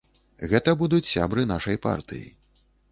Гэта будуць сябры нашай партыі.